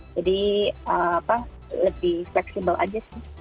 jadi lebih fleksibel aja sih